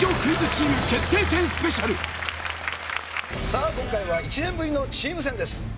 さあ今回は１年ぶりのチーム戦です。